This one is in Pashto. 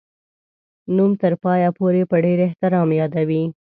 نوم تر پایه پوري په ډېر احترام یادوي.